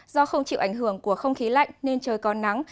do không chịu ảnh hưởng của không khí lạnh nên trời còn nắng